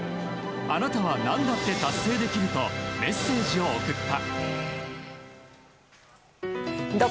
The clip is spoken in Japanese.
あなたは何だって達成できるとメッセージを送った。